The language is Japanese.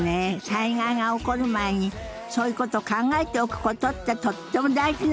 災害が起こる前にそういうことを考えておくことってとっても大事なことだと思うわ。